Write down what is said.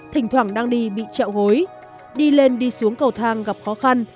thỉnh thoảng đang đi bị trẹo gối đi lên đi xuống cầu thang gặp khó khăn